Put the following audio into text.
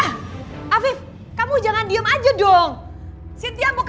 sampai jumpa di video selanjutnya